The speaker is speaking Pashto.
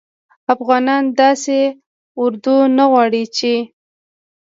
افغانان داسي اردو نه غواړي چې